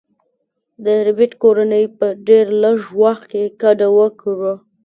د ربیټ کورنۍ په ډیر لږ وخت کې کډه وکړه